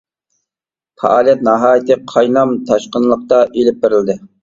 پائالىيەت ناھايىتى قاينام تاشقىنلىقتا ئېلىپ بېرىلدى.